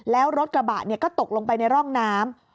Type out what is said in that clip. แล้วรถกระบะก็ตกลงไปในร่องน้ำ